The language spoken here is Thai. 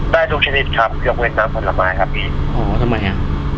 ได้ทุกชนิดครับเกี่ยวกับเวทน้ำผลไม้ครับพี่อ๋อทำไมอ่ะ